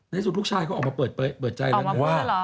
ในสุดลูกชายก็ออกมาเปิดใจเลยว่า